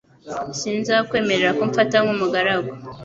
Sinzakwemerera ko umfata nk'umugaragu.